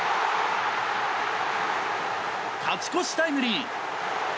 勝ち越しタイムリー。